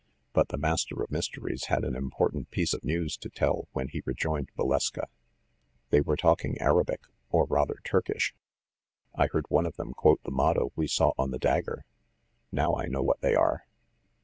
But the Master of Mysteries had an important piece of news to tell when he rejoined Valeska, "They were talking Arabic, or rather Turkish. I heard one of them quote the motto we saw on the dag ger. Now I know what they are.